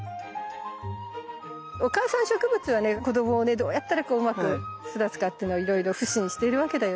お母さん植物はね子どもをねどうやったらうまく育つかっていうのをいろいろ腐心してるわけだよね。